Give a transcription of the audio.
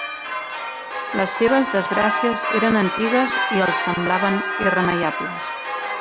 Les seves desgràcies eren antigues i els semblaven irremeiables.